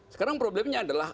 sekarang problemnya adalah